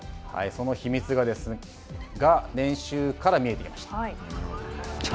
その秘密が練習から見えてきました。